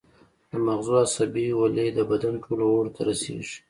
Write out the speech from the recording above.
د مغزو عصبي ولۍ د بدن ټولو غړو ته رسیږي